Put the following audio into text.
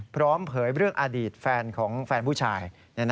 เผยเรื่องอดีตแฟนของแฟนผู้ชาย